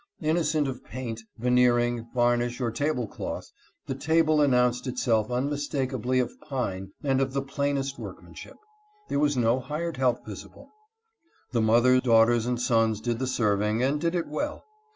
Innocent of paint, veneering, varnish, or table cloth, the table announced itself unmis takably of pine and of the plainest workmanship. There was no hired help visible. The mother, daughters, and sons did the serving, and did it well.